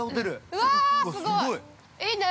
うわっ、すごい！いいね！